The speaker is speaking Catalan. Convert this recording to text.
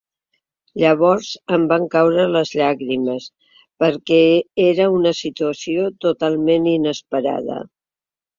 Llavors em van caure les llàgrimes perquè era una situació totalment inesperada.